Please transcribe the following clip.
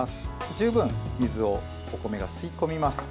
十分、水をお米が吸い込みます。